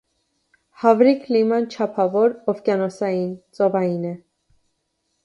Հավրի կլիման չափավոր օվկիանոսային (ծովային) է։